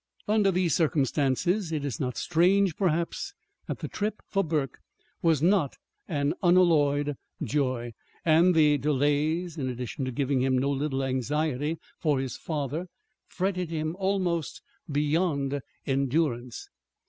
Under these circumstances it is not strange, perhaps, that the trip, for Burke, was not an unalloyed joy; and the delays, in addition to giving him no little anxiety for his father, fretted him almost beyond endurance.